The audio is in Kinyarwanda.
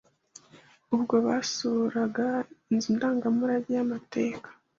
Ubwo basuraga inzu ndangamurage y’amateka